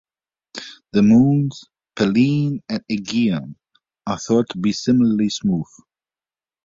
The moons Pallene and Aegaeon are thought to be similarly smooth.